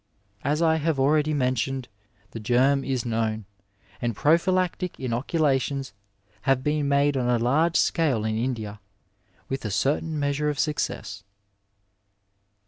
As I have already men tioned, the germ is known, and prophylactic inoculations have been made on a large scale in India, with a certain measure of success.